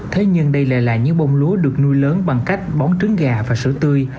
thế nhưng đây lại là những bông lúa được nuôi lớn bằng cách bón trứng gà và sữa tươi